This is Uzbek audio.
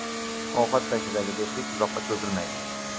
• Ovqat paytidagi do‘stlik uzoqqa cho‘zilmaydi.